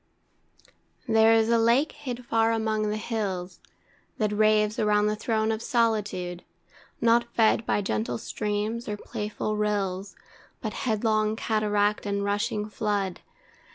There is a lake hid far among the hills, That raves around the throne of solitude, Not fed by gentle streams, or playful rills, But headlong cataract and rushing flood.